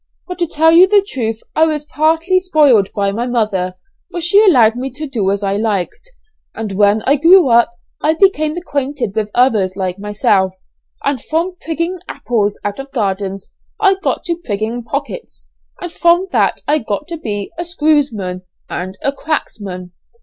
But to tell you the truth I was partly spoiled by my mother, for she allowed me to do as I liked, and when I grew up I became acquainted with others like myself, and from prigging apples out of gardens I got to prigging pockets, and from that I got to be a 'screwsman' and a 'cracksman.'